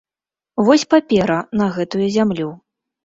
Вось папера на гэтую зямлю.